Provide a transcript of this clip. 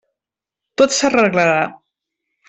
Tot s'arreglarà.